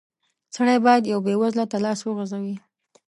سړی بايد يوه بېوزله ته لاس وغزوي.